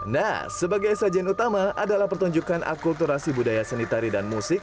nah sebagai sajian utama adalah pertunjukan akulturasi budaya seni tari dan musik